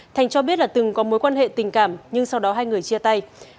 thành cho biết là từng có mối quan hệ tình cảm nhưng sau đó hai người chia tay